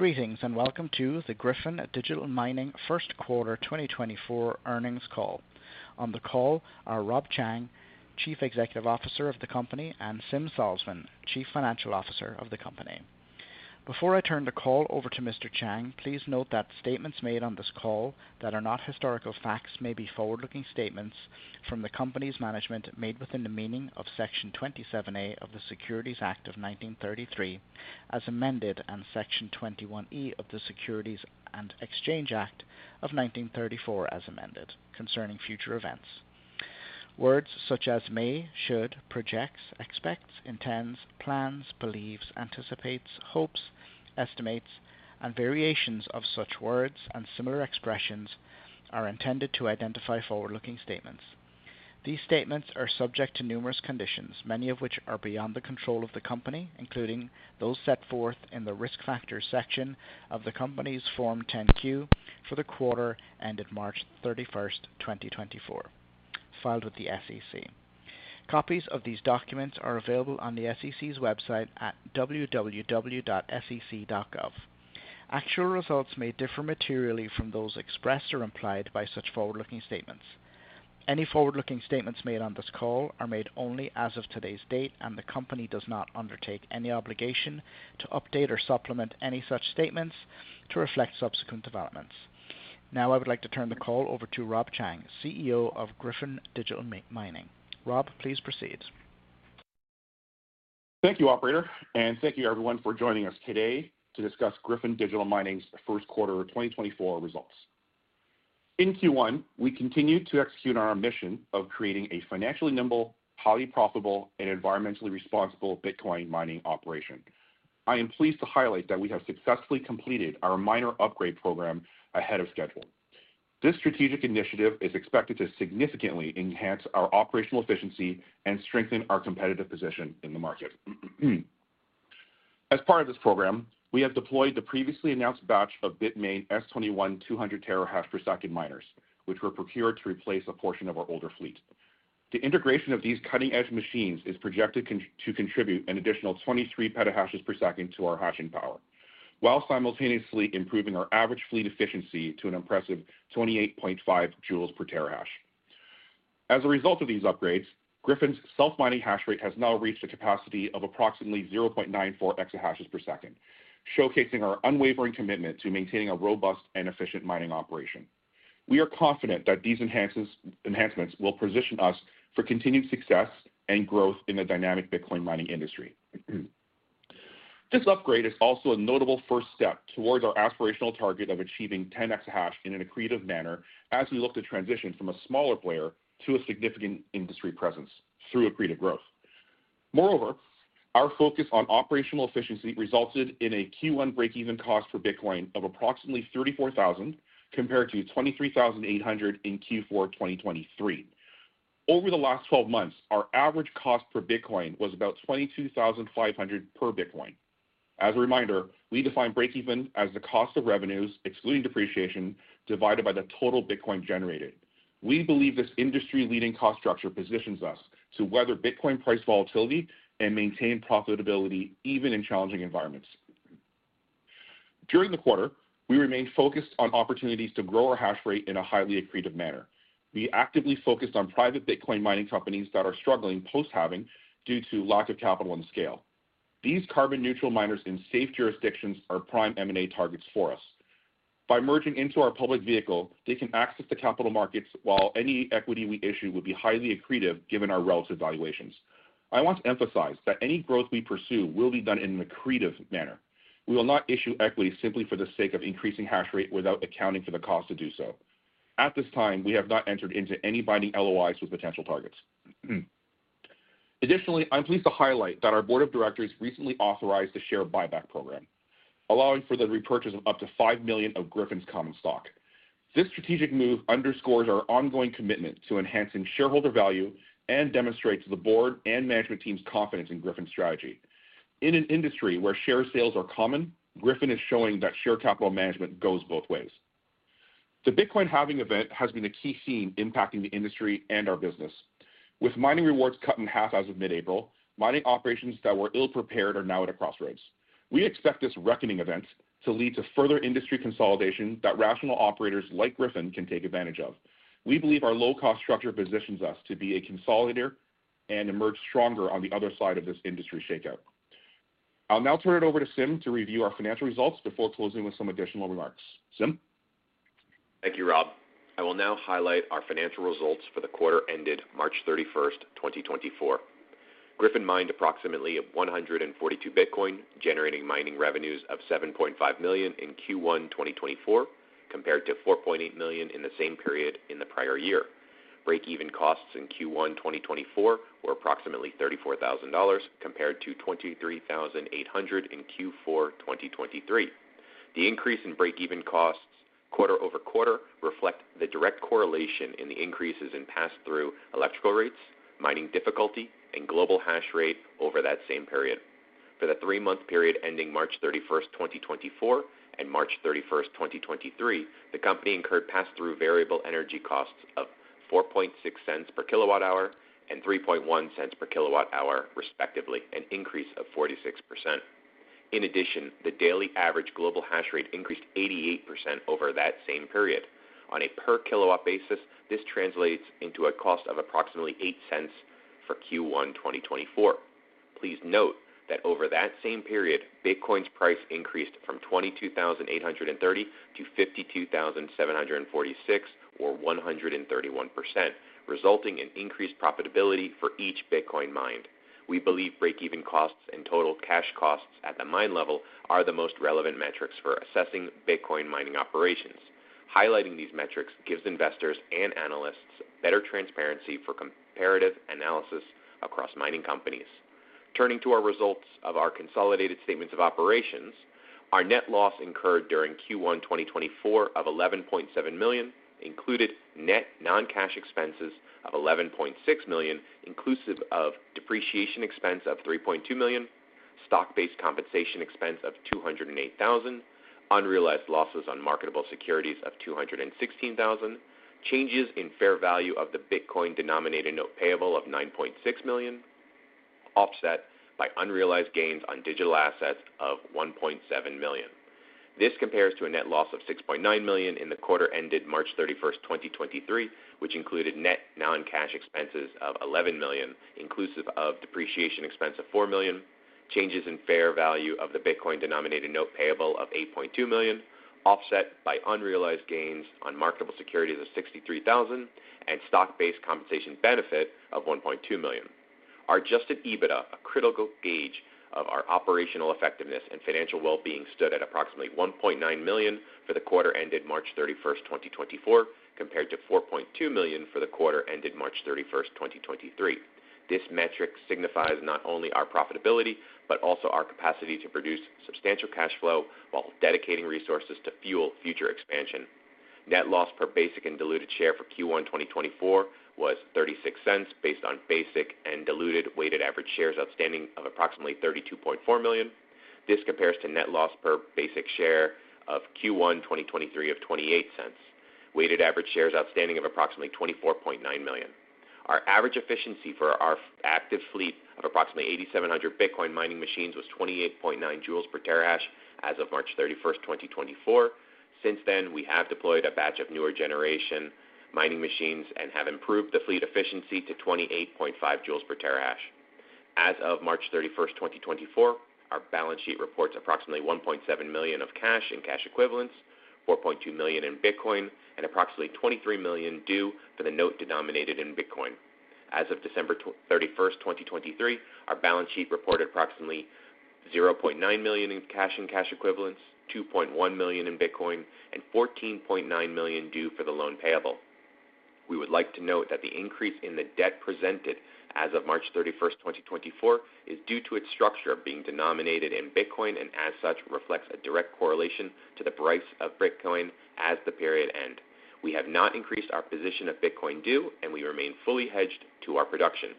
Greetings, and welcome to the Gryphon Digital Mining first quarter 2024 earnings call. On the call are Rob Chang, Chief Executive Officer of the company, and Sim Salzman, Chief Financial Officer of the company. Before I turn the call over to Mr. Chang, please note that statements made on this call that are not historical facts may be forward-looking statements from the company's management made within the meaning of Section 27A of the Securities Act of 1933, as amended, and Section 21E of the Securities and Exchange Act of 1934, as amended, concerning future events. Words such as may, should, projects, expects, intends, plans, believes, anticipates, hopes, estimates, and variations of such words and similar expressions are intended to identify forward-looking statements. These statements are subject to numerous conditions, many of which are beyond the control of the company, including those set forth in the Risk Factors section of the company's Form 10-Q for the quarter ended March 31, 2024, filed with the SEC. Copies of these documents are available on the SEC's website at www.sec.gov. Actual results may differ materially from those expressed or implied by such forward-looking statements. Any forward-looking statements made on this call are made only as of today's date, and the company does not undertake any obligation to update or supplement any such statements to reflect subsequent developments. Now, I would like to turn the call over to Rob Chang, CEO of Gryphon Digital Mining. Rob, please proceed. Thank you, operator, and thank you everyone for joining us today to discuss Gryphon Digital Mining's first quarter of 2024 results. In Q1, we continued to execute on our mission of creating a financially nimble, highly profitable, and environmentally responsible Bitcoin mining operation. I am pleased to highlight that we have successfully completed our miner upgrade program ahead of schedule. This strategic initiative is expected to significantly enhance our operational efficiency and strengthen our competitive position in the market. As part of this program, we have deployed the previously announced batch of Bitmain S21 200 TH/s miners, which were procured to replace a portion of our older fleet. The integration of these cutting-edge machines is projected to contribute an additional 23 PH/s to our hashing power, while simultaneously improving our average fleet efficiency to an impressive 28.5 J/TH. As a result of these upgrades, Gryphon's self-mining hash rate has now reached a capacity of approximately 0.94 EH/s, showcasing our unwavering commitment to maintaining a robust and efficient mining operation. We are confident that these enhancements will position us for continued success and growth in the dynamic Bitcoin mining industry. This upgrade is also a notable first step towards our aspirational target of achieving 10 EH/s in an accretive manner as we look to transition from a smaller player to a significant industry presence through accretive growth. Moreover, our focus on operational efficiency resulted in a Q1 breakeven cost for Bitcoin of approximately $34,000, compared to $23,800 in Q4 2023. Over the last twelve months, our average cost per Bitcoin was about $22,500 per Bitcoin. As a reminder, we define breakeven as the cost of revenues, excluding depreciation, divided by the total Bitcoin generated. We believe this industry-leading cost structure positions us to weather Bitcoin price volatility and maintain profitability even in challenging environments. During the quarter, we remained focused on opportunities to grow our hash rate in a highly accretive manner. We actively focused on private Bitcoin mining companies that are struggling post-halving due to lack of capital and scale. These carbon neutral miners in safe jurisdictions are prime M&A targets for us. By merging into our public vehicle, they can access the capital markets, while any equity we issue would be highly accretive, given our relative valuations. I want to emphasize that any growth we pursue will be done in an accretive manner. We will not issue equity simply for the sake of increasing hash rate without accounting for the cost to do so. At this time, we have not entered into any binding LOIs with potential targets. Additionally, I'm pleased to highlight that our board of directors recently authorized a share buyback program, allowing for the repurchase of up to 5 million of Gryphon's common stock. This strategic move underscores our ongoing commitment to enhancing shareholder value and demonstrates the board and management team's confidence in Gryphon's strategy. In an industry where share sales are common, Gryphon is showing that share capital management goes both ways. The Bitcoin halving event has been a key theme impacting the industry and our business. With mining rewards cut in half as of mid-April, mining operations that were ill-prepared are now at a crossroads. We expect this reckoning event to lead to further industry consolidation that rational operators like Gryphon can take advantage of. We believe our low-cost structure positions us to be a consolidator and emerge stronger on the other side of this industry shakeout. I'll now turn it over to Sim to review our financial results before closing with some additional remarks. Sim? Thank you, Rob. I will now highlight our financial results for the quarter ended March 31, 2024. Gryphon mined approximately 142 Bitcoin, generating mining revenues of $7.5 million in Q1 2024, compared to $4.8 million in the same period in the prior year. Breakeven costs in Q1 2024 were approximately $34,000, compared to $23,800 in Q4 2023. The increase in breakeven costs quarter-over-quarter reflect the direct correlation in the increases in pass-through electrical rates, mining difficulty, and global hash rate over that same period. For the three-month period ending March 31, 2024, and March 31, 2023, the company incurred pass-through variable energy costs of $0.046 per kWh and $0.031 per kWh, respectively, an increase of 46%. In addition, the daily average global hash rate increased 88% over that same period. On a per kW basis, this translates into a cost of approximately $0.08 for Q1 2024. Please note that over that same period, Bitcoin's price increased from $22,830-$52,746, or 131%, resulting in increased profitability for each Bitcoin mined. We believe break-even costs and total cash costs at the mine level are the most relevant metrics for assessing Bitcoin mining operations. Highlighting these metrics gives investors and analysts better transparency for comparative analysis across mining companies. Turning to our results of our consolidated statements of operations, our net loss incurred during Q1 2024 of $11.7 million included net non-cash expenses of $11.6 million, inclusive of depreciation expense of $3.2 million, stock-based compensation expense of $208,000, unrealized losses on marketable securities of $216,000, changes in fair value of the Bitcoin denominated note payable of $9.6 million, offset by unrealized gains on digital assets of $1.7 million. This compares to a net loss of $6.9 million in the quarter ended March 31, 2023, which included net non-cash expenses of $11 million, inclusive of depreciation expense of $4 million, changes in fair value of the Bitcoin denominated note payable of $8.2 million, offset by unrealized gains on marketable securities of $63,000, and stock-based compensation benefit of $1.2 million. Our Adjusted EBITDA, a critical gauge of our operational effectiveness and financial well-being, stood at approximately $1.9 million for the quarter ended March 31, 2024, compared to $4.2 million for the quarter ended March 31, 2023. This metric signifies not only our profitability, but also our capacity to produce substantial cash flow while dedicating resources to fuel future expansion. Net loss per basic and diluted share for Q1 2024 was $0.36, based on basic and diluted weighted average shares outstanding of approximately 32.4 million. This compares to net loss per basic share of Q1 2023 of $0.28, weighted average shares outstanding of approximately 24.9 million. Our average efficiency for our active fleet of approximately 8,700 Bitcoin mining machines was 28.9 J/TH as of March 31st, 2024. Since then, we have deployed a batch of newer generation mining machines and have improved the fleet efficiency to 28.5 J/TH. As of March 31st, 2024, our balance sheet reports approximately $1.7 million of cash and cash equivalents, $4.2 million in Bitcoin, and approximately $23 million due for the note denominated in Bitcoin. As of December 31, 2023, our balance sheet reported approximately $0.9 million in cash and cash equivalents, $2.1 million in Bitcoin, and $14.9 million due for the loan payable. We would like to note that the increase in the debt presented as of March 31, 2024, is due to its structure being denominated in Bitcoin, and as such, reflects a direct correlation to the price of Bitcoin as the period end. We have not increased our position of Bitcoin due, and we remain fully hedged to our production.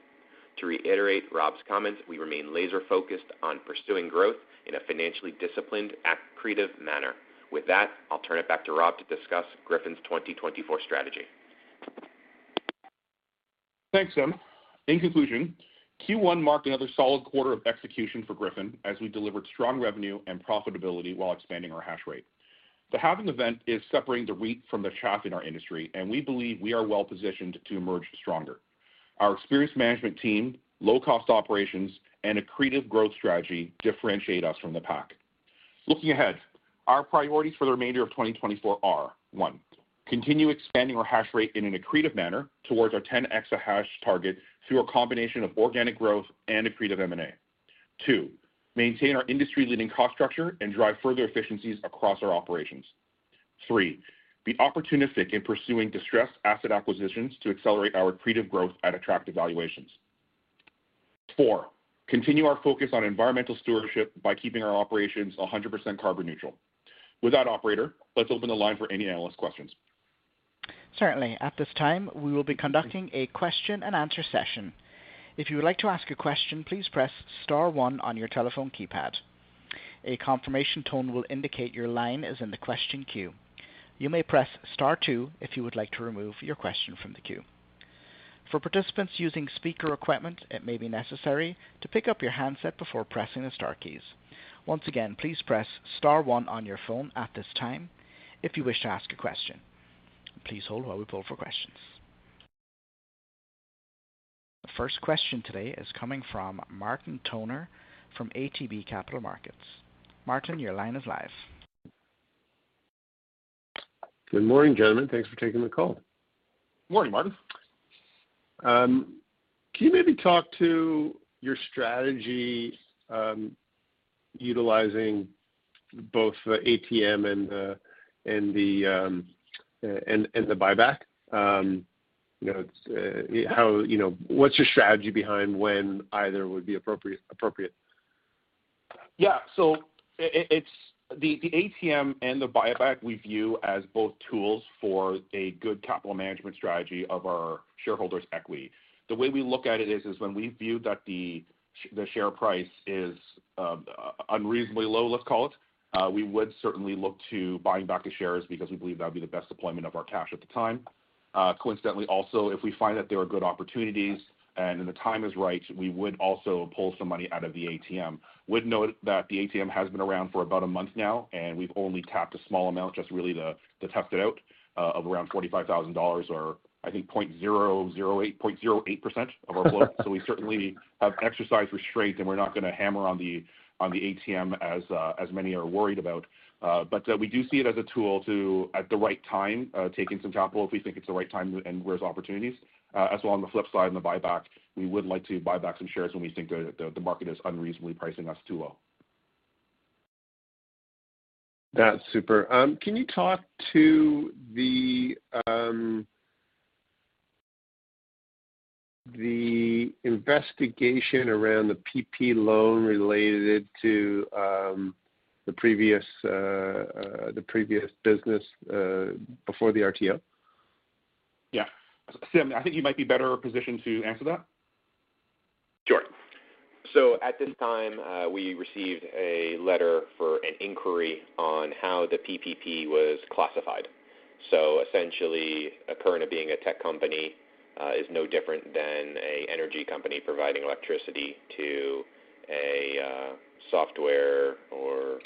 To reiterate Rob's comments, we remain laser focused on pursuing growth in a financially disciplined, accretive manner. With that, I'll turn it back to Rob to discuss Gryphon's 2024 strategy. Thanks, Sim. In conclusion, Q1 marked another solid quarter of execution for Gryphon, as we delivered strong revenue and profitability while expanding our hash rate. The Halving event is separating the wheat from the chaff in our industry, and we believe we are well positioned to emerge stronger. Our experienced management team, low-cost operations, and accretive growth strategy differentiate us from the pack. Looking ahead, our priorities for the remainder of 2024 are: one, continue expanding our hash rate in an accretive manner towards our 10 EH/s target through a combination of organic growth and accretive M&A. Two, maintain our industry-leading cost structure and drive further efficiencies across our operations. Three, be opportunistic in pursuing distressed asset acquisitions to accelerate our accretive growth at attractive valuations. Four, continue our focus on environmental stewardship by keeping our operations 100% carbon neutral. With that, operator, let's open the line for any analyst questions. Certainly. At this time, we will be conducting a question and answer session. If you would like to ask a question, please press star one on your telephone keypad. A confirmation tone will indicate your line is in the question queue. You may press star two if you would like to remove your question from the queue. For participants using speaker equipment, it may be necessary to pick up your handset before pressing the star keys. Once again, please press star one on your phone at this time if you wish to ask a question. Please hold while we pull for questions. The first question today is coming from Martin Toner from ATB Capital Markets. Martin, your line is live. Good morning, gentlemen. Thanks for taking the call. Morning, Martin. Can you maybe talk to your strategy utilizing both the ATM and the buyback? You know, it's how... You know, what's your strategy behind when either would be appropriate? Yeah. So it's the ATM and the buyback, we view as both tools for a good capital management strategy of our shareholders' equity. The way we look at it is when we view that the share price is unreasonably low, let's call it, we would certainly look to buying back the shares because we believe that would be the best deployment of our cash at the time. Coincidentally, also, if we find that there are good opportunities and then the time is right, we would also pull some money out of the ATM. Would note that the ATM has been around for about a month now, and we've only tapped a small amount, just really to test it out, of around $45,000, or I think 0.008%, 0.08% of our float. So we certainly have exercised restraint, and we're not gonna hammer on the ATM as many are worried about. But we do see it as a tool to, at the right time, taking some capital if we think it's the right time and where there's opportunities. As well, on the flip side, on the buyback, we would like to buy back some shares when we think the market is unreasonably pricing us too well. That's super. Can you talk to the investigation around the PPP loan related to the previous business before the RTO? Yeah. Sim, I think you might be better positioned to answer that. Sure. So at this time, we received a letter for an inquiry on how the PPP was classified. So essentially, Akerna being a tech company, is no different than a energy company providing electricity to a, software or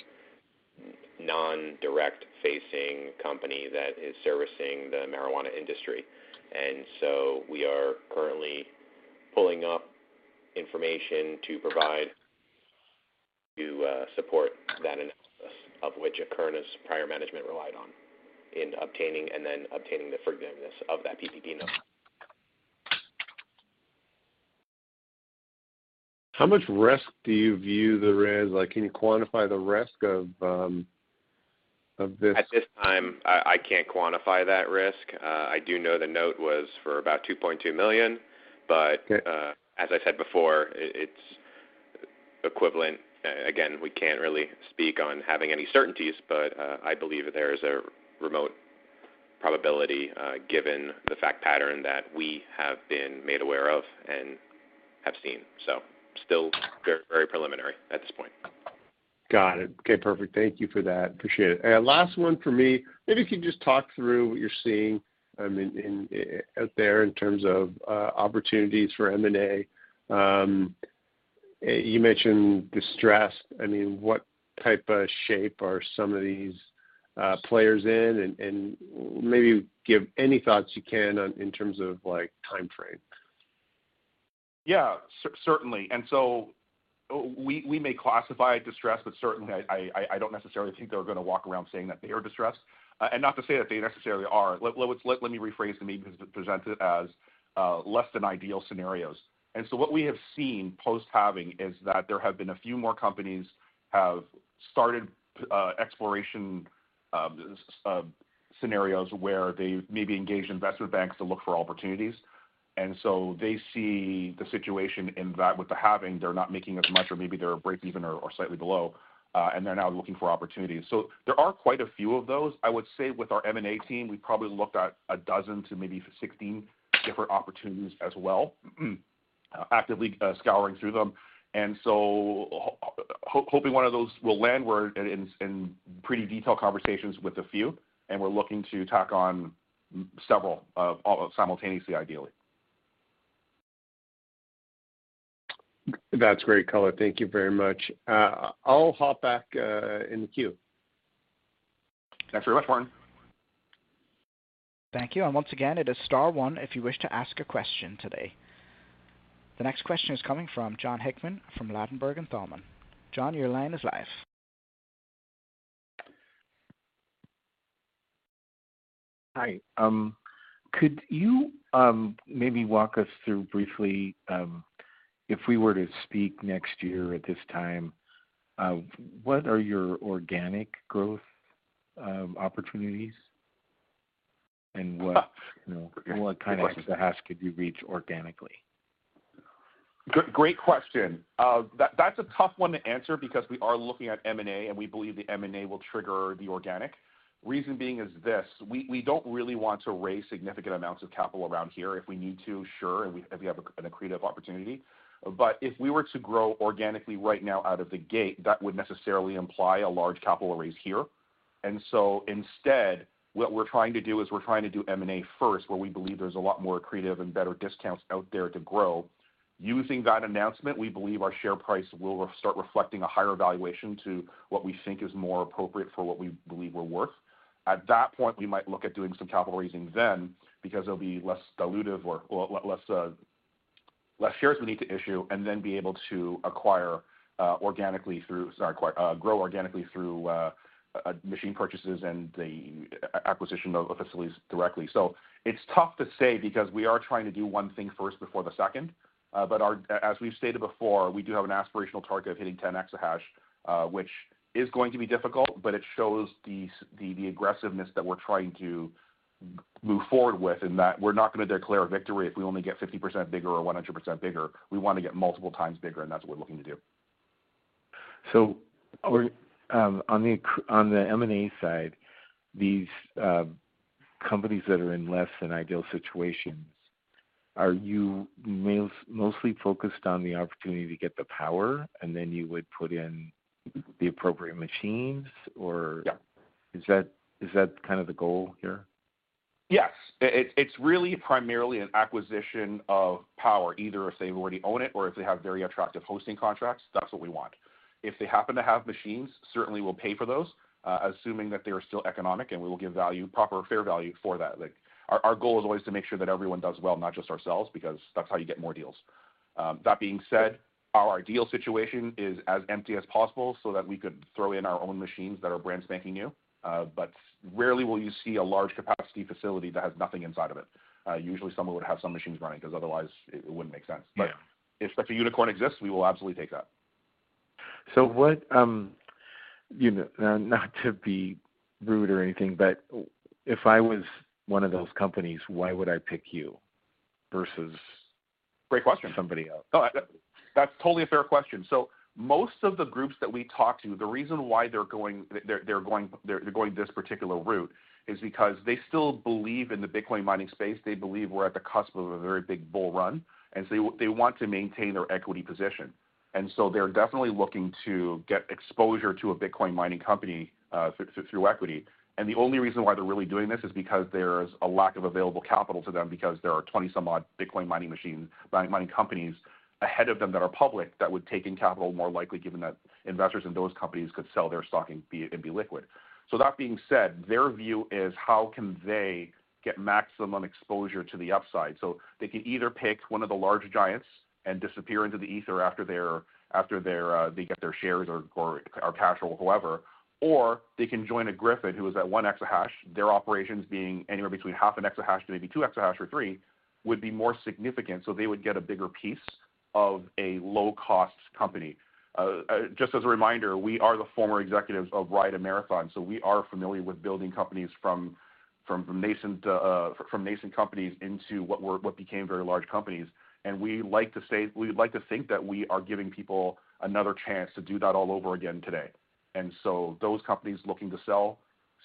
non-direct facing company that is servicing the marijuana industry. And so we are currently pulling up information to provide, to, support that analysis, of which Akerna's prior management relied on in obtaining and then obtaining the forgiveness of that PPP note. How much risk do you view there is? Like, can you quantify the risk of this? At this time, I can't quantify that risk. I do know the note was for about $2.2 million, but as I said before, it's equivalent. Again, we can't really speak on having any certainties, but I believe there is a remote probability, given the fact pattern that we have been made aware of and have seen. So still very, very preliminary at this point. Got it. Okay, perfect. Thank you for that. Appreciate it. And last one for me. Maybe if you could just talk through what you're seeing out there in terms of opportunities for M&A. You mentioned distressed. I mean, what type of shape are some of these players in? And maybe give any thoughts you can on, in terms of, like, time frame. Yeah, certainly. And so we may classify it distressed, but certainly I don't necessarily think they're gonna walk around saying that they are distressed. And not to say that they necessarily are. Let me rephrase to maybe present it as less than ideal scenarios. And so what we have seen post-halving is that there have been a few more companies have started exploration scenarios where they maybe engaged investment banks to look for opportunities. And so they see the situation in that with the halving, they're not making as much, or maybe they're breakeven or slightly below, and they're now looking for opportunities. So there are quite a few of those. I would say with our M&A team, we probably looked at 12 to maybe 16 different opportunities as well, actively, scouring through them. And so hoping one of those will land. We're in pretty detailed conversations with a few, and we're looking to tack on several of all simultaneously, ideally. That's great color. Thank you very much. I'll hop back in the queue. Thanks very much, Warren. Thank you. And once again, it is star one if you wish to ask a question today. The next question is coming from Jon Hickman from Ladenburg Thalmann. Jon, your line is live. Hi. Could you maybe walk us through briefly if we were to speak next year at this time, what are your organic growth opportunities? And you know, what kind of hash could you reach organically? Great question. That's a tough one to answer because we are looking at M&A, and we believe the M&A will trigger the organic. Reason being is this: we don't really want to raise significant amounts of capital around here. If we need to, sure, and if we have an accretive opportunity. But if we were to grow organically right now out of the gate, that would necessarily imply a large capital raise here. And so instead, what we're trying to do is we're trying to do M&A first, where we believe there's a lot more accretive and better discounts out there to grow. Using that announcement, we believe our share price will restart reflecting a higher valuation to what we think is more appropriate for what we believe we're worth. At that point, we might look at doing some capital raising then, because it'll be less dilutive or less shares we need to issue and then be able to grow organically through machine purchases and the acquisition of facilities directly. So it's tough to say because we are trying to do one thing first before the second. But as we've stated before, we do have an aspirational target of hitting 10 EH/s, which is going to be difficult, but it shows the aggressiveness that we're trying to move forward with, in that we're not gonna declare a victory if we only get 50% bigger or 100% bigger. We want to get multiple times bigger, and that's what we're looking to do. So, on the M&A side, these companies that are in less than ideal situations, are you mostly focused on the opportunity to get the power, and then you would put in the appropriate machines or- Is that, is that kind of the goal here? Yes. It's really primarily an acquisition of power, either if they already own it or if they have very attractive hosting contracts, that's what we want. If they happen to have machines, certainly we'll pay for those, assuming that they are still economic, and we will give value, proper fair value for that. Like, our goal is always to make sure that everyone does well, not just ourselves, because that's how you get more deals. That being said, our ideal situation is as empty as possible so that we could throw in our own machines that are brand spanking new. But rarely will you see a large capacity facility that has nothing inside of it. Usually, someone would have some machines running 'cause otherwise it wouldn't make sense. Yeah. But if such a unicorn exists, we will absolutely take that. So what? You know, not to be rude or anything, but if I was one of those companies, why would I pick you versus somebody else? No, that's totally a fair question. So most of the groups that we talk to, the reason why they're going this particular route, is because they still believe in the Bitcoin mining space. They believe we're at the cusp of a very big bull run, and so they want to maintain their equity position. And so they're definitely looking to get exposure to a Bitcoin mining company through equity. And the only reason why they're really doing this is because there's a lack of available capital to them, because there are 20-some-odd Bitcoin mining companies ahead of them that are public, that would take in capital, more likely, given that investors in those companies could sell their stock and be liquid. So that being said, their view is, how can they get maximum exposure to the upside? So they can either pick one of the large giants and disappear into the ether after they get their shares or cash or whoever. Or they can join a Gryphon, who is at 1 EH/s, their operations being anywhere between 0.5 EH/s to maybe 2 EH/s or 3 EH/s, would be more significant, so they would get a bigger piece of a low-cost company. Just as a reminder, we are the former executives of Riot and Marathon, so we are familiar with building companies from nascent companies into what became very large companies. And we like to say, we'd like to think that we are giving people another chance to do that all over again today. And so those companies looking to sell,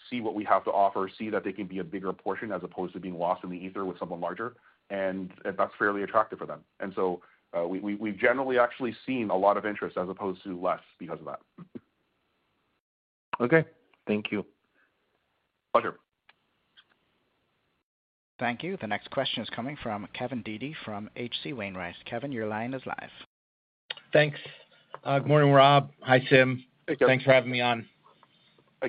see what we have to offer, see that they can be a bigger portion, as opposed to being lost in the ether with someone larger, and that's fairly attractive for them. And so, we've generally actually seen a lot of interest as opposed to less because of that. Okay, thank you. Pleasure. Thank you. The next question is coming from Kevin Dede from H.C. Wainwright. Kevin, your line is live. Thanks. Good morning, Rob. Hi, Sim. Hey, Kev. Thanks for having me on. Hi,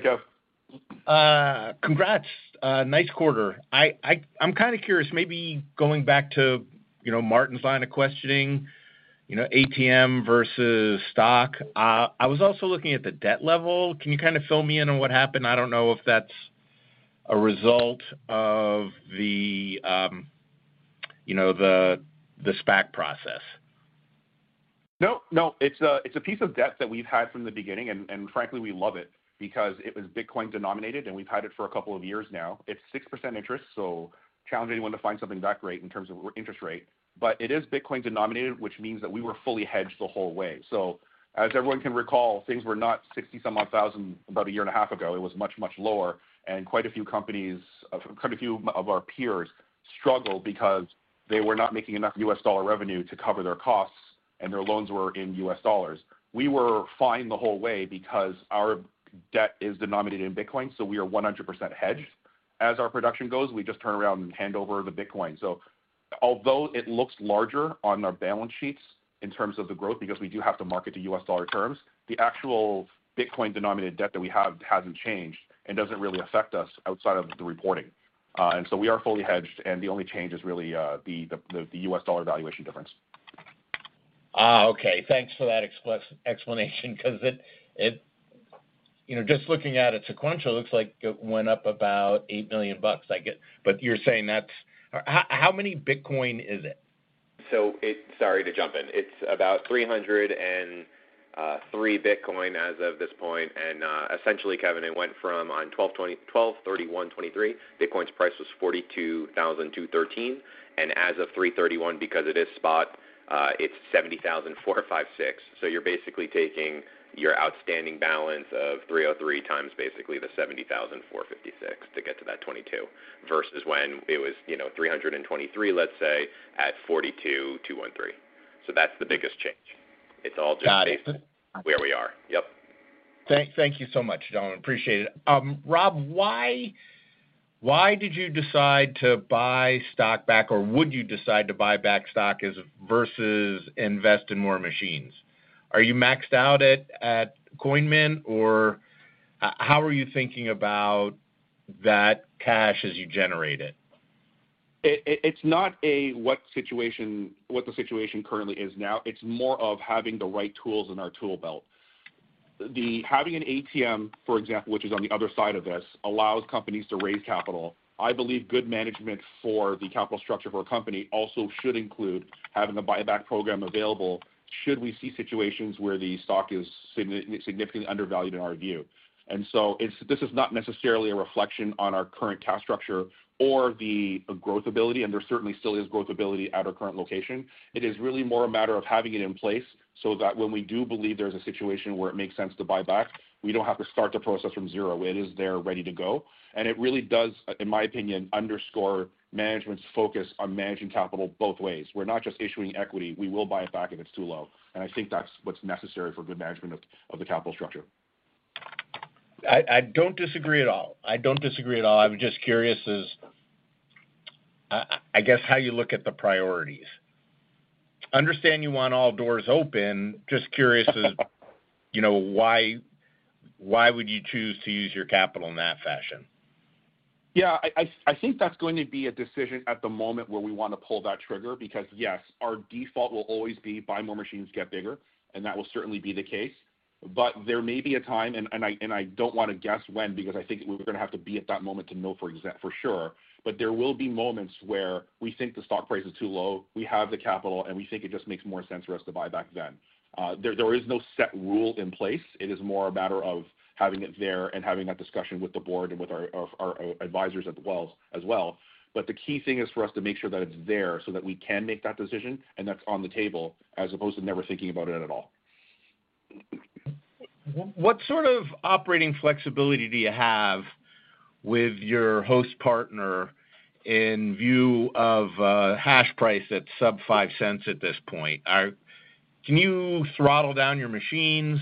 Kev. Congrats. Nice quarter. I'm kind of curious, maybe going back to, you know, Martin's line of questioning, you know, ATM versus stock. I was also looking at the debt level. Can you kind of fill me in on what happened? I don't know if that's a result of the, you know, the SPAC process. No, no, it's a, it's a piece of debt that we've had from the beginning, and, and frankly, we love it because it was Bitcoin denominated, and we've had it for a couple of years now. It's 6% interest, so challenge anyone to find something that great in terms of interest rate. But it is Bitcoin denominated, which means that we were fully hedged the whole way. So as everyone can recall, things were not 60-some-odd thousand about a year and a half ago. It was much, much lower, and quite a few companies, quite a few of our peers struggled because they were not making enough U.S. dollar revenue to cover their costs, and their loans were in U.S. dollars. We were fine the whole way because our debt is denominated in Bitcoin, so we are 100% hedged. As our production goes, we just turn around and hand over the Bitcoin. So although it looks larger on our balance sheets in terms of the growth, because we do have to mark it to U.S. dollar terms, the actual Bitcoin denominated debt that we have hasn't changed and doesn't really affect us outside of the reporting. And so we are fully hedged, and the only change is really the U.S. dollar valuation difference. Ah, okay. Thanks for that explanation because it... You know, just looking at it sequentially, it looks like it went up about $8 million, I guess. But you're saying that's... How many Bitcoin is it? Sorry to jump in. It's about 303 Bitcoin as of this point, and essentially, Kevin, it went from on 12/31/2023, Bitcoin's price was $42,213, and as of 3/31/2024, because it is spot, it's $70,456. So you're basically taking your outstanding balance of 303 times basically the $70,456 to get to that 22, versus when it was, you know, 323, let's say, at 42,213. So that's the biggest change. It's all just based on where we are. Yep. Thank you so much, Sim. Appreciate it. Rob, why did you decide to buy stock back, or would you decide to buy back stock as versus invest in more machines? Are you maxed out at Coinmint, or how are you thinking about that cash as you generate it? It's not a what situation, what the situation currently is now. It's more of having the right tools in our tool belt. Having an ATM, for example, which is on the other side of this, allows companies to raise capital. I believe good management for the capital structure of our company also should include having a buyback program available, should we see situations where the stock is significantly undervalued, in our view. And so it's this is not necessarily a reflection on our current cash structure or the growth ability, and there certainly still is growth ability at our current location. It is really more a matter of having it in place, so that when we do believe there's a situation where it makes sense to buy back, we don't have to start the process from zero. It is there, ready to go, and it really does, in my opinion, underscore management's focus on managing capital both ways. We're not just issuing equity. We will buy it back if it's too low, and I think that's what's necessary for good management of the capital structure. I don't disagree at all. I don't disagree at all. I'm just curious as, I guess, how you look at the priorities. Understand you want all doors open. Just curious as, you know, why would you choose to use your capital in that fashion? Yeah, I think that's going to be a decision at the moment where we want to pull that trigger because, yes, our default will always be buy more machines, get bigger, and that will certainly be the case. But there may be a time, and I don't want to guess when, because I think we're gonna have to be at that moment to know for sure. But there will be moments where we think the stock price is too low, we have the capital, and we think it just makes more sense for us to buy back then. There is no set rule in place. It is more a matter of having it there and having that discussion with the board and with our advisors as well. But the key thing is for us to make sure that it's there, so that we can make that decision and that's on the table, as opposed to never thinking about it at all. What sort of operating flexibility do you have with your host partner in view of hash price at sub-$0.05 at this point? Can you throttle down your machines?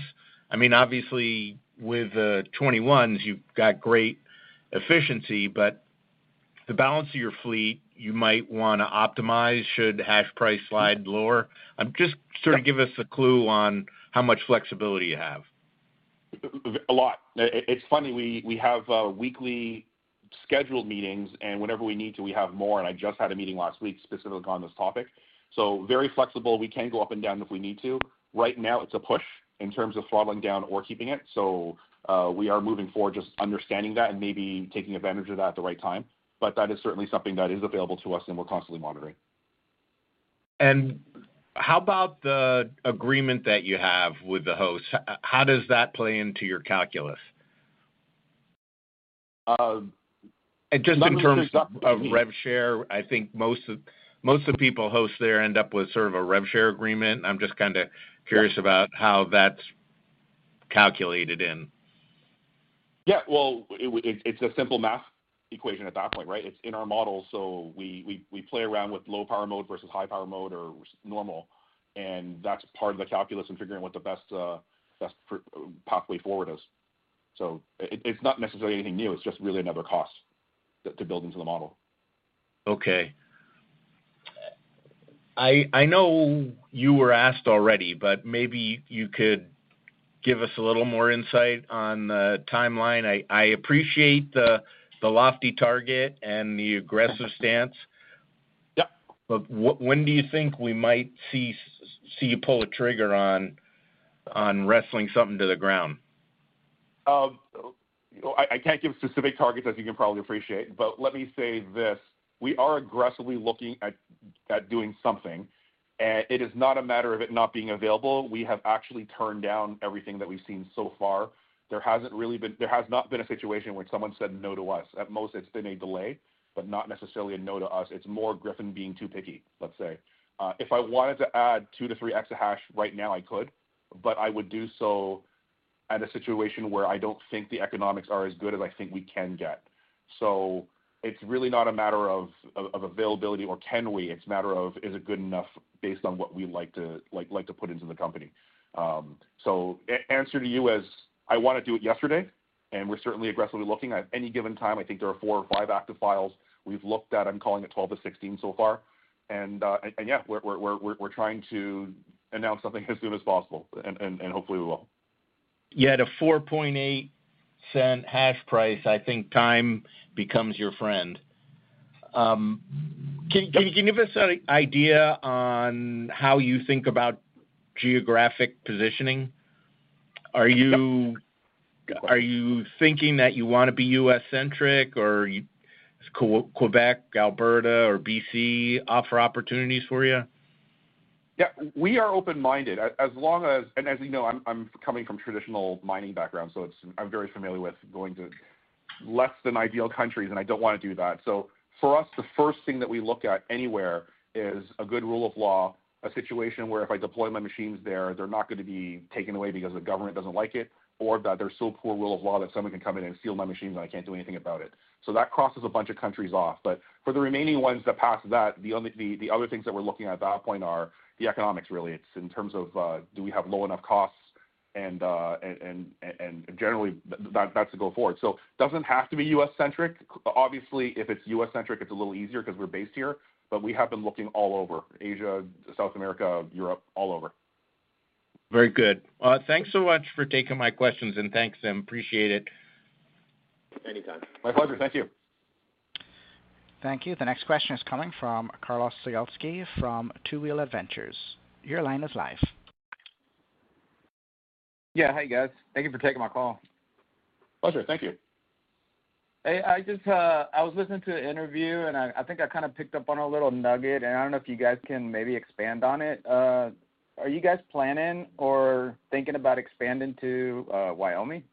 I mean, obviously, with 21s, you've got great efficiency, but the balance of your fleet, you might wanna optimize should hash price slide lower. Just sort of give us a clue on how much flexibility you have. A lot. It's funny. We have weekly scheduled meetings, and whenever we need to, we have more, and I just had a meeting last week specifically on this topic. Very flexible. We can go up and down if we need to. Right now, it's a push in terms of throttling down or keeping it. We are moving forward, just understanding that and maybe taking advantage of that at the right time. But that is certainly something that is available to us and we're constantly monitoring. How about the agreement that you have with the host? How does that play into your calculus? Just in terms of rev share, I think most of, most of the people host there end up with sort of a rev share agreement. I'm just kind of curious about how that's calculated in. Yeah, well, it's a simple math equation at that point, right? It's in our model, so we play around with low power mode versus high power mode or normal, and that's part of the calculus in figuring what the best pathway forward is. So it's not necessarily anything new. It's just really another cost to build into the model. Okay. I know you were asked already, but maybe you could give us a little more insight on the timeline. I appreciate the lofty target and the aggressive stance. Yeah. But when do you think we might see you pull a trigger on wrestling something to the ground? I can't give specific targets, as you can probably appreciate, but let me say this: We are aggressively looking at doing something, and it is not a matter of it not being available. We have actually turned down everything that we've seen so far. There has not been a situation where someone said no to us. At most, it's been a delay, but not necessarily a no to us. It's more Gryphon being too picky, let's say. If I wanted to add 2-3 EH/s right now, I could, but I would do so at a situation where I don't think the economics are as good as I think we can get. So it's really not a matter of availability or can we. It's a matter of is it good enough based on what we like to, like, to put into the company. So answer to you is, I want to do it yesterday, and we're certainly aggressively looking. At any given time, I think there are four or five active files we've looked at. I'm calling it 12-16 so far. And yeah, we're trying to announce something as soon as possible, and hopefully we will. Yeah, at a $0.048 hash price, I think time becomes your friend. Can you give us an idea on how you think about geographic positioning? Are you- Yeah. Are you thinking that you want to be U.S.-centric, or Quebec, Alberta, or BC offer opportunities for you? Yeah, we are open-minded. As long as... And as you know, I'm coming from traditional mining background, so I'm very familiar with going to less than ideal countries, and I don't want to do that. So for us, the first thing that we look at anywhere is a good rule of law, a situation where if I deploy my machines there, they're not going to be taken away because the government doesn't like it, or that there's so poor rule of law that someone can come in and steal my machines, and I can't do anything about it. So that crosses a bunch of countries off. But for the remaining ones that pass that, the only, the other things that we're looking at that point are the economics, really. It's in terms of do we have low enough costs and generally, that's a go forward. So doesn't have to be U.S.-centric. Obviously, if it's U.S.-centric, it's a little easier because we're based here, but we have been looking all over: Asia, South America, Europe, all over. Very good. Thanks so much for taking my questions, and thanks, and appreciate it. Anytime. My pleasure. Thank you. Thank you. The next question is coming from Carlos Sayelsky from Two Wheel Adventures. Your line is live. Yeah. Hey, guys. Thank you for taking my call. Pleasure. Thank you. Hey, I just, I was listening to the interview, and I think I kind of picked up on a little nugget, and I don't know if you guys can maybe expand on it. Are you guys planning or thinking about expanding to Wyoming?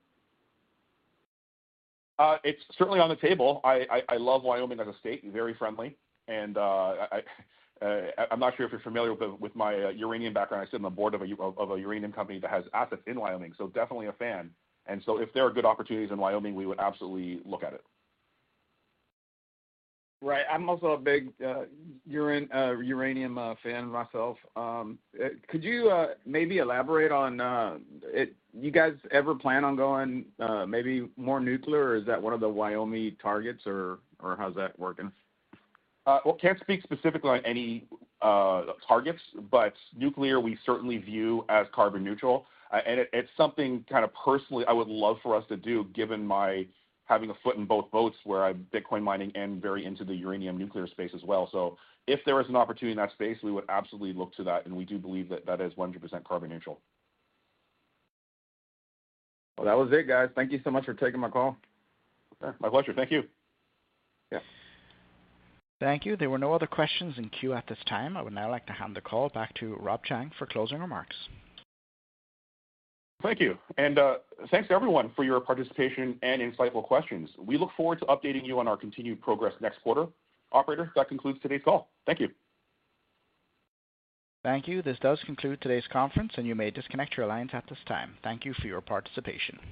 It's certainly on the table. I love Wyoming as a state, very friendly, and I'm not sure if you're familiar with my uranium background. I sit on the board of a uranium company that has assets in Wyoming, so definitely a fan. And so if there are good opportunities in Wyoming, we would absolutely look at it. Right. I'm also a big uranium fan myself. Could you maybe elaborate on it? Do you guys ever plan on going maybe more nuclear, or is that one of the Wyoming targets, or how's that working? Well, can't speak specifically on any targets, but nuclear, we certainly view as carbon neutral. And it, it's something kind of personally I would love for us to do, given my having a foot in both boats, where I'm Bitcoin mining and very into the uranium nuclear space as well. So if there is an opportunity in that space, we would absolutely look to that, and we do believe that that is 100% carbon neutral. Well, that was it, guys. Thank you so much for taking my call. My pleasure. Thank you. Yeah. Thank you. There were no other questions in queue at this time. I would now like to hand the call back to Rob Chang for closing remarks. Thank you, and, thanks, everyone, for your participation and insightful questions. We look forward to updating you on our continued progress next quarter. Operator, that concludes today's call. Thank you. Thank you. This does conclude today's conference, and you may disconnect your lines at this time. Thank you for your participation.